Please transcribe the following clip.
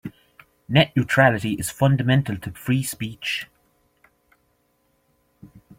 Net neutrality is fundamental to free speech.